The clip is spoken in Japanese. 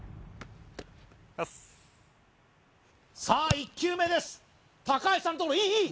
さあ１球目です高橋さんともいいいい！